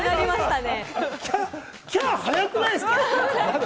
きゃが早くないですか？